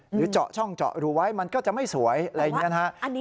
เจาะช่องเจาะรูไว้มันก็จะไม่สวยอะไรอย่างนี้นะฮะ